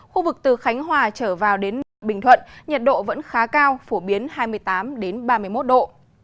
khu vực từ khánh hòa trở vào đến bình thuận nhiệt độ vẫn khá cao phổ biến hai mươi tám ba mươi một độ